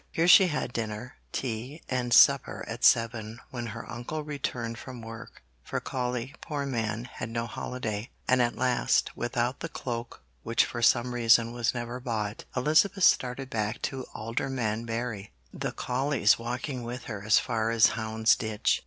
Here she had dinner, tea, and supper at seven when her uncle returned from work for Colley, poor man, had no holiday and at last, without the cloak which for some reason was never bought, Elizabeth started back to Aldermanbury, the Colleys walking with her as far as Houndsditch.